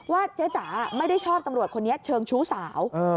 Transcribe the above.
เจ๊จ๋าไม่ได้ชอบตำรวจคนนี้เชิงชู้สาว